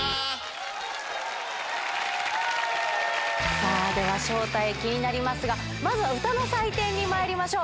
さあ、では正体気になりますが、まずは歌の採点にまいりましょう。